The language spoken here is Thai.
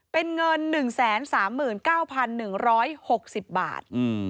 เป็นเงิน๑๓๙๑๖๐บาท